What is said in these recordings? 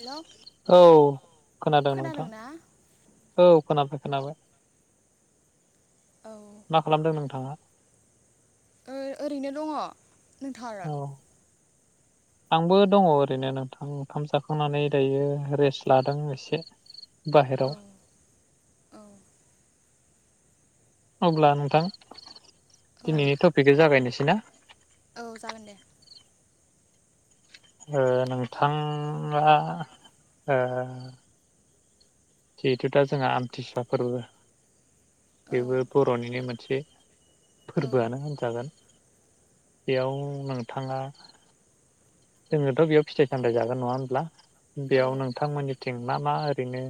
हेल' औ खोनादों नोंथां खोनादोंना औ खोनाफो। खोनाबाय औ मा खालामदों नोंथाङा? ओ ओरैनो दङ। औ नोंथांआलाय? आंबो दङ ओरैनो नोंथां ओंखाम जाखांनानै दायो रेस्ट लादों एसे। बाहेराव औ औ अब्ला नोंथां औ दिनैनि टपिक [unintelligible] जागायनोसै ना? औ जागोन दे ओ नोंथाङा ओ जिहेथु दा जोंहा आमथिसुवा फोरबो औ बेबो बर'निनो मोनसे औ फोरबोआनो होनजागोन। बेयाव नोंथाङा जोंनोथ बेयाव फिथाइ सामथाइ जागोन नङा होनब्ला? औ बेयाव नोंथांमोननिथिं मा मा ओरैनो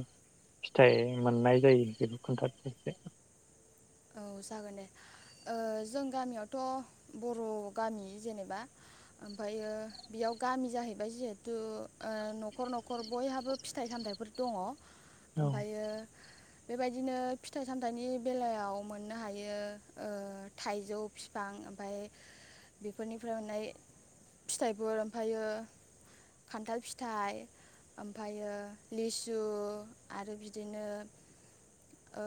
फिथाइ मोननाय जायो बेखौ खोनथादो दे औ जागोन दे ओ जों गामियावथ' बर' गामि जेनेबा ओमफ्रायो बेयाव गामि जाहैबाय जिहेथु ओ नखर नखर बयहाबो फिथाइ सामथाइफोर दङ। औ ओमफायो बेबायदिनो फिथाइ सामथाइनि बेलायाव मोननो हायो ओ थाइजौ फिफां ओमफाय, बेफोरनिफ्राय मोननाय फिथाइफोर, ओमफायो खान्थाल फिथाइ ओमफायो लिसु आरो बिदिनो ओ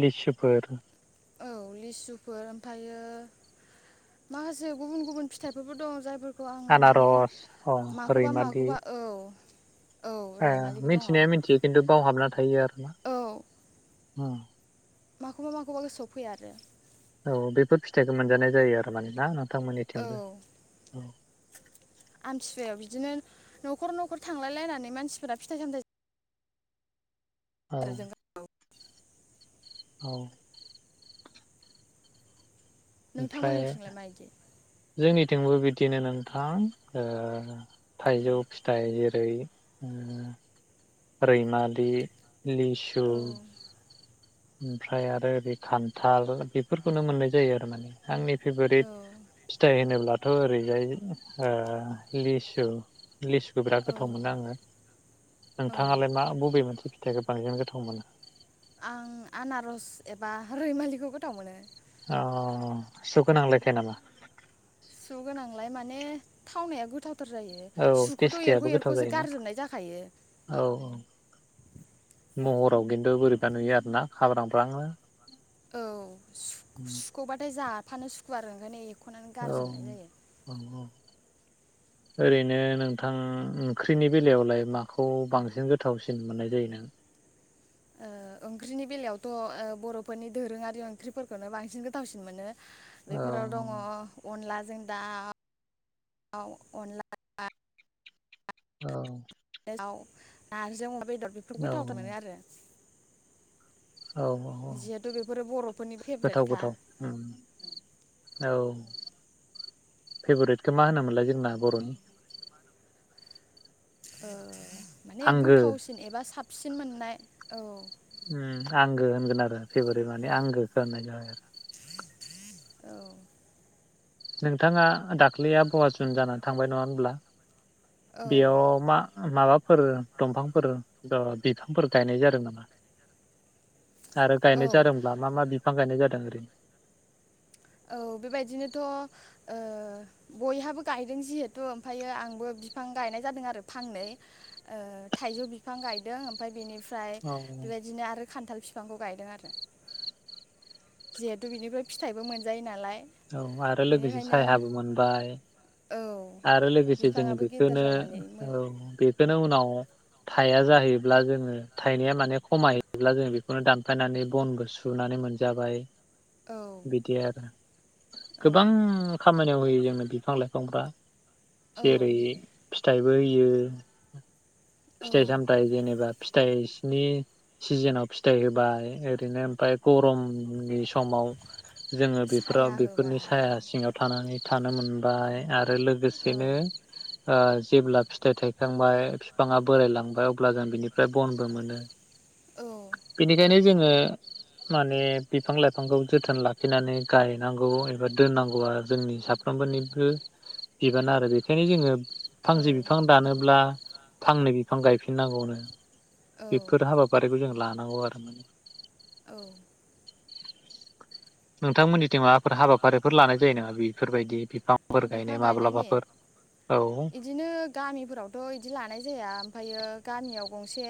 लिसुफोर औ लिसुफोर ओमफायो माखासे गुबुन गुबुन फिथाइफोरबो दं जायफोर ओ आङो माने आनारस अ माखौबा रैमालि माखौबा, औ। औ ओ रायमालिबो दङ मिथिनाया औ मिथियो खिन्थु बावहाबना थायो आरो ना। [unintelligible] माखौबा माखौबा गोसोआव फैया आरो औ बेफोर फिथाइखौ मोनजानाय जायो आरो माने ना? औ नोंथांमोननिथिंबो ओम। आमथिसुवायाव बिदिनो नखर नखर थांलायलायनानै मानसिफोरा फिथाइ सामथाइ औ। आरो जों औ। ओमफ्राय नोंथांमोननिथिंलाय माइदि? जोंनिथिंबो बिदिनो नोंथां ओ थाइजौ फिथाइ [unintelligible] उम रैमालि, लिसु औ ओमफ्राय आरो बै खान्थाल बेफोरखौनो मोननाय जायो आरो माने आंनि औ फेभरिट फिथाइ होनोब्ला दाथ' ओरैजाय ओ लिसु लिसुखौ बिराद औ गोथाव मोनो आङो। औ नोंथाङालाय मा बबे मोनसे फिथायाइखौ बांसिन गोथाव मोनो? आं आनारस एबा रैमालिखौ गोथाव मोनो। अ सु गोनांलायखाय नामा? लाय माने थावनाया गोथाव [unintelligible] जायो औ सुखौथ एरख टेस्टियाबो गोथाव एरखसो जायोना गारजोबनाय जाखायो। औ महराव खिन्थु बोरैबा नुयो आरोना खाब्रांब्रांनो औ सुखबाथाय जा। फानो सु आरो ओंखायनो ए औ औ औ। ओरैनो नोंथां ओंख्रिनि बेलायावलाय माखौ बांसिन गोथावसिन मोननाय जायो नों? ओ ओंख्रिनि बेलायावथ ओ बर'फोरनि दोरोङारि ओंख्रिफोरखोनो बांसिन गोथावसिन मोनो। औ बेफोराव दङ अनला जों दाव अनला औ। [unintelligible] बेदार बेफोर औ गोथाव मोनो आरो। औ औ औ जिहेथु बेफोरो बर'फोरनि गोथाव फेभरेटखा गोथाव उम औ। फेभरायेटखौ मा होनोमोनलाय जोंना बर'नि। ओ। माने आंगो गोथावसिन एबा साब सिन मोननाय औ। उम आंगो होनगोन आरो फेभरेट माने आंगोखौ होननाय जाबाय आरो। औ। नोंथाङा दाख्लैया आभावा जुन जानानै थांबाय नङा होनब्ला औ बेयाव मा माबा फोर दंफांफोर बिफांफोर गायनाय जादों नामा? आरो गायनाय औ जादोंब्ला मा मा बिफां गायनाय जादों? ओरैनो औ बेबायदिनोथ ओ बयहाबो गायदों जिहेथु ओमफायो आंबो बिफां गायनाय जादों आरो फांनै ओ थाइजौ बिफां गायदों ओमफाय बेनि ओमफाय बेबायदिनो आरो। खान्थाल फिफांबो गायदों आरो जिहेतु बिनिबो फिथाइबो मोन जायो नालाय। औ आरो लोगोसे सायहाबो मोनबाय औ आरो लोगोसे जोङो बिफाङाबो गेदेर बेखोनो जानानै मो औ बे बेखोनो उनाव थाया जाहैब्ला जोङो थाइनाया माने खमायैयोब्ला जों बेखोनो दानफायनानै बनबो सुनानै मोनजाबाय। औ बिदि आरो। औ गोबां। खामानियाव होयो जोंनो बिफां लाइफांफ्रा औ जेरै फिथाइबो होयो फिथाइ औ सामथाइ जेनेबा फिथाइनि सिजोनाव फिथाइ होबाय ओरैनो ओमफाय गरमनि समाव जोङो साया बेफोराव बेफोरनि साया होबाय सिङाव थानानै थानो मोनबाय आ आरो औ लोगोसेनो ओ जेब्ला फिथाइ थायखांबाय बिफाङा बोरायलांबाय अब्ला जों बिनिफ्राय बनबो मोनो। औ बेनिखायनो जोङो माने बिफां लाइफांखौ जोथोन लाखिनानै गायनांगौ। औ एबा दोननांगौ जोंनि साफ्रोमबोनिबो गो बिबान आरो बेनिखायनो जोङो औ फांसे बिफां दानोब्ला फांनै बिफां गायफिन दोनांगौनो। औ बेफोर हाबाफारिखौ जों ला आगर औ नोंथांमोननिथिं मा हाबाफारिफोर लानाय जायो नङा बेफोरबायदि बिफांफोर बिफां गायनाय माब्लाबाफोर गायनायनि औ। इदिनो गामिफोरावथ' इदि लानाय जाया ओमफायो गामियाव गंसे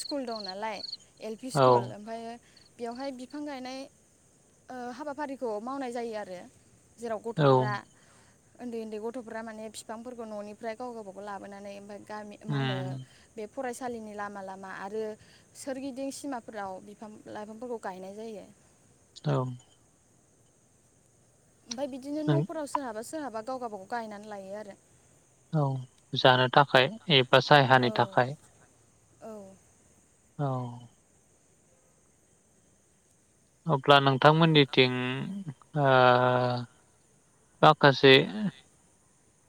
स्कुल दं नालाय। एल पि स्कुल ओमफ्रायो बेवहाय बिफां गायनाय ओ हाबाफारिखौ मावनाय जायो आरो। जेराव औ गथ'फोरा ओन्दै ओन्दै गथ'फोरा माने बिफांफोरखौ ननिफ्राय गाव गावबागाव लाबोनानै ओमफाय गामि मा होनो उम बे फरायसालिनि लामा लामा आरो सोरगिदिं सिमाफोराव बिफां लाइफांफोरखौ गायनाय जायो। औ ओमफाय बिदिनो न'फोराव सोर सोरहाबा सोरहाबा गाव गावबागाव गायनानै लायो आरो। औ जानो थाखाय एब बा औ सायहानि थाखाय औ औ अब्ला नोंथांमोननिथिं ओ माखासे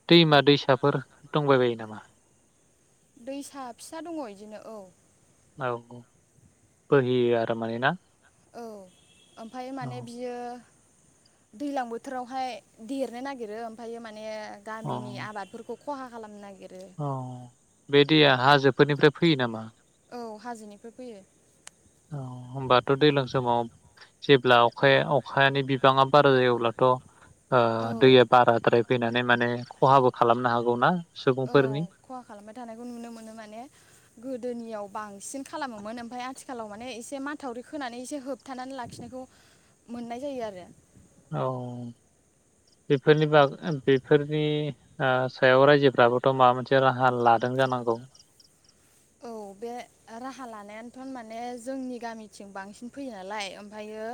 दैमा दैसाफोर दंबायबायो नामा? दैसा फिसा दङ इदिनो औ। औ बोहैयो आरो माने ना औ ओमफाय औ माने बियो दैलां बोथोरावहाय देरनो नागिरो ओमफायो माने ने गामिनि आबादफोरखौ खहा खालामनो नागिर अ बे दैया हाजोफोरनिफ्राय फैयो नामा? औ हाजोनिफ्राय फैयो। औ होमबाथ दैज्लां समाव जेब्ला अखाया अखानि बिबाङा बारा जायो अब्लाथ ओ औ दैया बाराद्राय फैनानै माने खहाबो खालामनो हागौ ना? औ खहा खालामबाय थानायखौ नुनो मोनो माने गोदोनियाव बांसिन खालामोमोन ओमफ्राय आथिखालाव माने एसे माथावरि खोनानै एसे होबथानानै लाखिनायखौ मोननाय जायो आरो औ बेफोरनि बाग बेफोरनि ओ सायाव रायजोफ्राबोथ माबा मोनसे राहा लादों जानांगौ औ बे राहा लानायानोथ माने जोंनि गामिथिं बांसिन फैयो नालाय ओमफ्रायो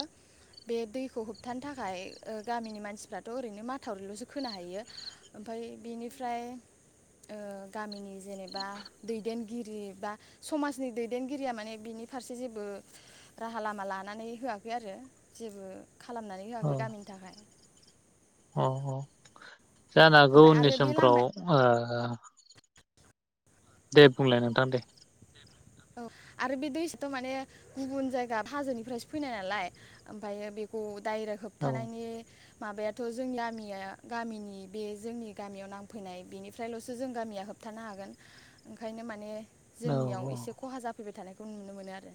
बे दैखौ होबथानो थाखाय ओ गामिनि मानसिफ्राथ ओरैनो माथावरिलसो खोनो हायो ओमफ्राय बेनिफ्राय ओ गामिनि जेनेबा दैदेनगिरि गिरि बा समाजनि दैदेनगिरिया माने बिनि फारसे जेबो राहा लामा लानानै होआखै आरो जेबो खालामनानै होआखै औ गामिनि थाखाय औ औ जानो हागौ ओमफ्राय उननि आरो बे लामा समफ्राव ओ दे बुंलाय नोंथां दे औ आरो बे दैसायाथ माने गुबुन जायगा हाजोनिफ्रायसो फैनाय नालाय ओमफ्रायो बेखौ डाइरेक्ट औ होबथानायनि माबायाथ जोंनि गामिया गामिनि बे जोंनि गामियाव नांफैनाय बेनिफ्रायलसो जों गामिया होबथानो हागोन ओंखायनो माने औ औ फैबाय थानायखौ नुनो मोनो आरो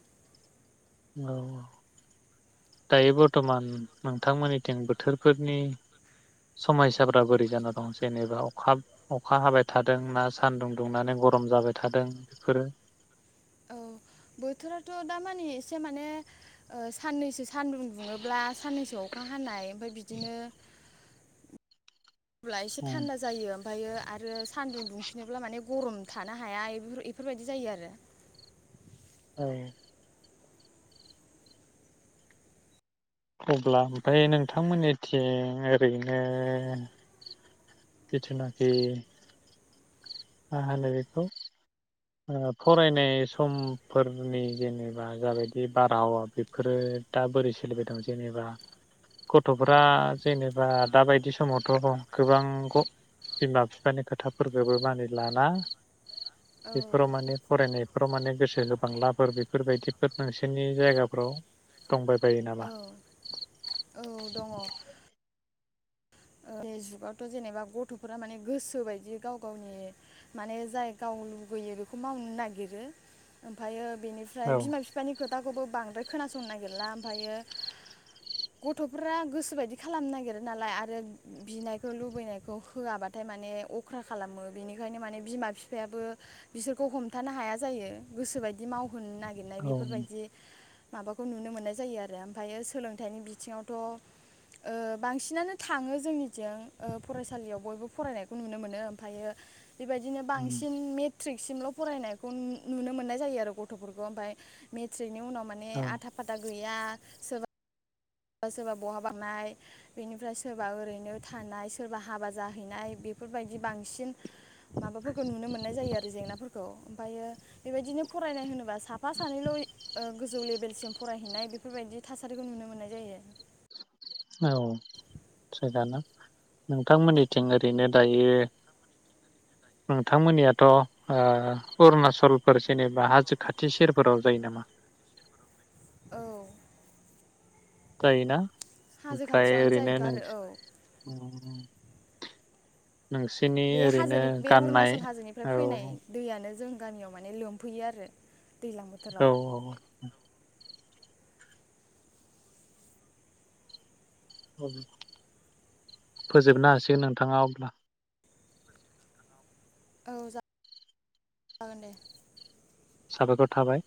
औ औ दायो बर्थमान नोंथांमोननिथिं बोथोरफोरनि समयसाफोरा बोरै जाना दं जेनेबा अखा अखा हाबाय थादों ना सानदुं दुंनानै गरम जाबाय थादों बेफोरो औ बोथोराथ दामानि एसे माने ओ साननैसो सानदुं दुङोब्ला साननैसो अखा हानाय ओमफ्राय बिदिनो अब्ला एसे थान्दा औ जायो ओमफ्रायो आरो सान्दुं दुंफिनोब्ला माने गरम थानो हाया इफोरबायदि जायो आरो औ अब्ला ओमफ्राय नोंथांमोननिथिं ओरैनो जिथुनाखि मा होनो बेखौ ओ फरायनाय समफोरनि जेनेबा जाबायदि बारहावा बेफोरो दा बोरै सोलिबाय दं जेनेबा गथफ्रा जेनेबा दाबायदि समावथ गोबां बिमा बिफानि खोथाफोरखौबो मानिलाना औ बेफोराव माने फरायनाय बेफोराव माने गोसो गोबांलाफोर बेफोरबायदिफोर नोंसोरनि जायगाफ्राव दंबाय औ औ दङ जुगावथ जेनेबा गथफोरा माने गोसो बायदि गाव गावनि माने जाय गाव लुगैयो बेखौ मावनो नागिरो ओमफ्रायो बेनिफ्राय औ बिमा बिफानि खोथा खौबो बांद्राय खोनासंनो नागिरला ओमफ्रायो गथफोरा गोसोबायदि खालामनो नागिरो नालाय आरो बिनायखौ लुबैनायखौ होआबाथाय माने अख्रा खालामो बेनिखायनो माने बिमा बिफायाबो बिसोरखौ हमथानो हाया जायो गोसोबादि माव होननो नागिरनाय औ बेफोरबायदि माबाखौ नुनो मोननाय जायो आरो ओमफायो सोलोंथाइनि बिथिङावथ ओ बांसिनानो थाङो। जोंनिथिं ओ फरायसालियाव बयबो फरायनायखौ नुनो मोनो ओमफायो। बेबायदिनो बांसिन मेट ट्रिक सिमल' फरायनायखौ नुनो मोननाय जायो आरो गथफोरखौ ओमफाय मेट्रिक। उनाव माने औ आथा फाथा। गैया सोरबा। सोरबा सोरबा बहा बाबनाय बेनिफ्राय सोरबा ओरैनो थानाय सोरबा हाबा जाहैनाय बेफोरबायदि बांसिन। माबाफोरखौ नुनो मोननाय जायो आरो जेंनाफोरखौ खौ ओमफायो। बेबायदिनो फरायनाय होनोबा साफा सानैल' ओ गोजौ लेभेल। सिम फरायहैनाय बेफोर बायदि थासारिखौ नुनो मोननाय। जायो। औ थिगानो नोंथांमोननिथिं ओरैनो दायो नोंथांमोननियाथ अरुणचलफोर जेनेबा हाजो खाथि सेरफोराव जायो नामा। औ। गायो ना। हाजो ओमफ्राय खाथियावनो ओरैनो जायोथ' नों आरो औ उम। बे ओरैनो हाजोनि बे गाननाय अरुणचल हाजोनिफ्राय औ फैनाय दैयानो जों गामियाव माने लोमफैयो आरो। दैज्लां बोथोराव औ-औ। फोजोबनो हासिगोन नोंथाङा अब्ला। औ जागोन दे। सााबायखर थाबाय।